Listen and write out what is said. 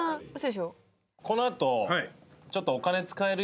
この後。